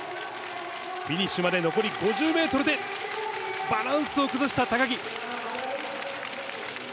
フィニッシュまで残り５０メートルで、バランスを崩した高木。